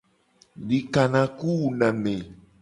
Dikanaku wuna ame.